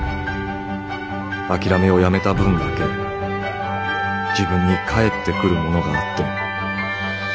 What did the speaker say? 「諦めをやめた分だけ自分に返ってくるものがあって。